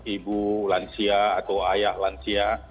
ibu lansia atau ayah lansia